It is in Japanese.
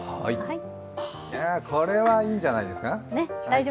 これはいいんじゃないですか。